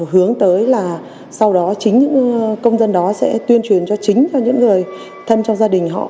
hướng tới là sau đó chính những công dân đó sẽ tuyên truyền cho chính cho những người thân trong gia đình họ